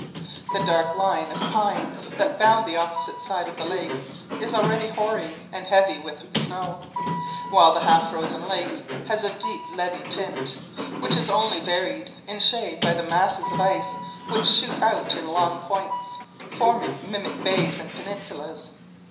The dark line of pines that bound the opposite side of the lake is already hoary and heavy with snow, while the half frozen lake has a deep leaden tint, which is only varied in shade by the masses of ice which shoot out in long points, forming mimic bays and peninsulas.